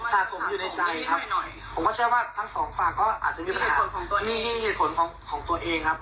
สะสมอยู่ในใจครับผมก็เชื่อว่าทั้งสองฝั่งก็อาจจะมีปัญหามีเหตุผลของตัวเองครับ